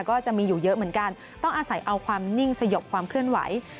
ก็จะมีอยู่เยอะเหมือนกันต้องอาศัยเอาความนิ่งสยบความเคลื่อนไหว